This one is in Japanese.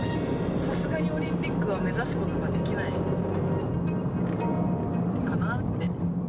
さすがにオリンピックは目指すことができないかなって。